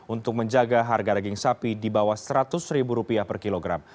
untuk menjaga harga daging sapi di bawah seratus ribu rupiah per kilogram